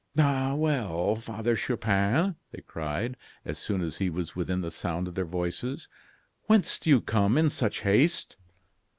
"Ah, well, Father Chupin!" they cried, as soon as he was within the sound of their voices; "whence do you come in such haste?"